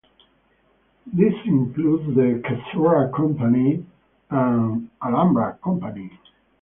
These include The Coca-Cola Company and Pepsico.